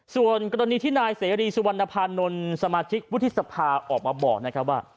ส่วนกรณีที่นายเสรีสุวรรณภานนท์สมาชิกวุฒิสภาออกมาบอกนะครับว่า